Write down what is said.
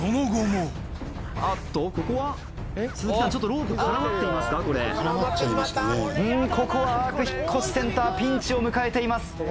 うんここはアーク引越センターピンチを迎えています。